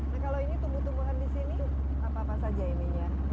nah kalau ini tumbuhan tumbuhan di sini apa saja ini ya